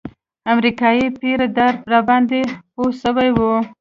امريکايي پيره دار راباندې پوه سوى و.